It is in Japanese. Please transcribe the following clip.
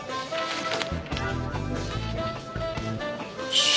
よし！